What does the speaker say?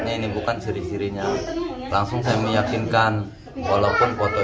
ya itu anak saya kata sarah